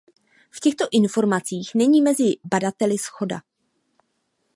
V těchto informacích není mezi badateli shoda.